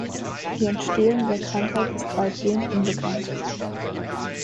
Die Entstehung der Krankheit ist weitgehend unbekannt.